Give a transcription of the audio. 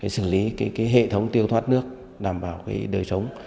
xử lý hệ thống tiêu thoát nước đảm bảo đời sống